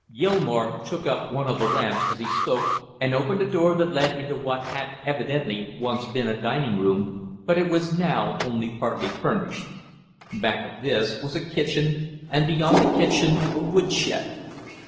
Gilmore took up one of the lamps as he spoke and opened a door that led into what had evidently once been a dining room, but it was now only partly furnished; back of this was a kitchen, and beyond the kitchen a woodshed.